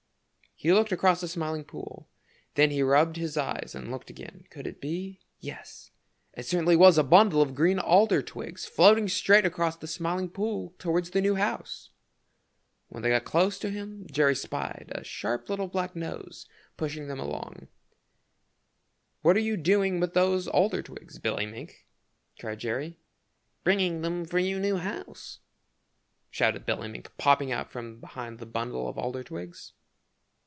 He looked across the Smiling Pool. Then he rubbed his eyes and looked again. Could it be yes, it certainly was a bundle of green alder twigs floating straight across the Smiling Pool towards the new house! When they got close to him Jerry spied a sharp little black nose pushing them along, and back of the little black nose twinkled two little black eyes. "What are you doing with those alder twigs, Billy Mink?" cried Jerry. "Bringing them for your new house," shouted Billy Mink, popping out from behind the bundle of alder twigs.